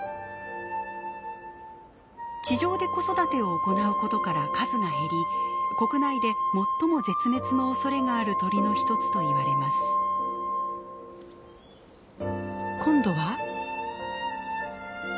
地上で子育てを行うことから数が減り国内で最も絶滅のおそれがある鳥の一つといわれます。今度は。